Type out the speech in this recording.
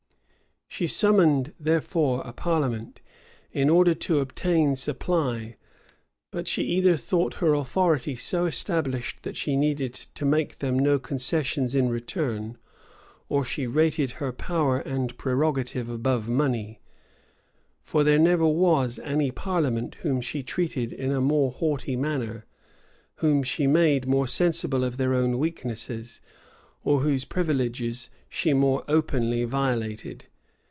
She summoned, therefore, a parliament, in order to obtain supply: but she either thought her authority so established that she needed to make them no concessions in return, or she rated her power and prerogative above money: for there never was any parliament whom she treated in a more haughty manner, whom she made more sensible of their own weakness, or whose privileges she more openly violated.